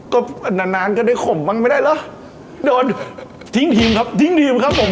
ก็นานนานก็ได้ข่มบ้างไม่ได้เหรอโดนทิ้งทีมครับทิ้งทีมครับผม